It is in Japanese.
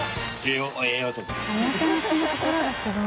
おもてなしの心がすごい。